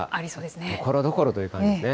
ところどころという感じですね。